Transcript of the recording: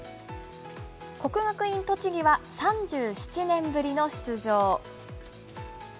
国学院栃木は３７年ぶりの出場。